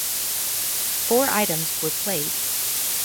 Four items were played.